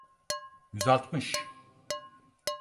Yüz altmış.